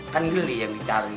kan geli yang dicari